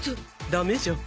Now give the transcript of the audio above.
ダメじゃん